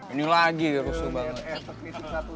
ini lagi rusuh banget